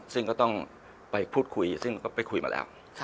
ซึ่งก็ต้องไปพูดคุยซึ่งก็ไปคุยมาแล้ว